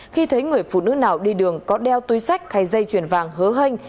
khi thấy người phụ nữ nào đi đường có đeo túi sách hay dây chuyền vàng hứa hênh